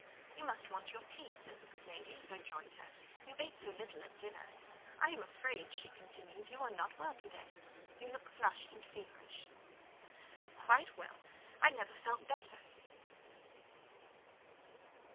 "You must want your tea," said the good lady, as I joined her; "you ate so little at dinner. I am afraid," she continued, "you are not well to day: you look flushed and feverish." "Oh, quite well! I never felt better."